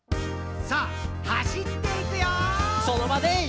「さあ走っていくよー！」